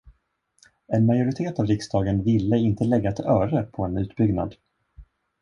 En majoritet av riksdagen ville inte lägga ett öre på en utbyggnad.